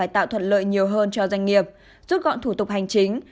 tạo thuận lợi nhiều hơn cho doanh nghiệp rút gọn thủ tục hành chính